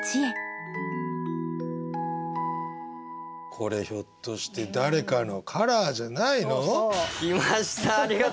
これひょっとして誰かのカラーじゃないの？来ました！